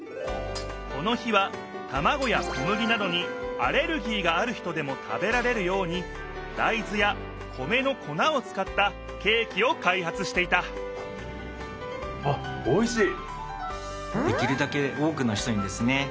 この日はたまごやこむぎなどにアレルギーがある人でも食べられるようにだいずや米のこなをつかったケーキを開発していたあっおいしい！